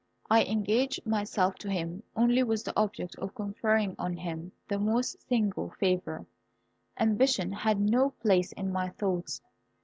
I engaged myself to him only with the object of conferring on him the most signal favour. Ambition had no place in my thoughts.